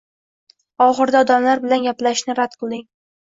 Oxirida odamlar bilan gaplashishni rad qilding.